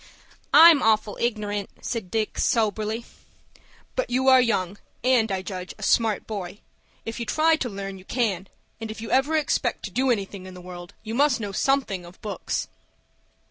"I'm awful ignorant," said Dick, soberly. "But you are young, and, I judge, a smart boy. If you try to learn, you can, and if you ever expect to do anything in the world, you must know something of books."